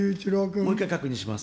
もう一回確認します。